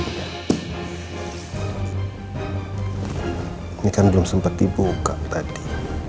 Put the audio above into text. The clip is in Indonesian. ini kan belum sempat dibuka tadi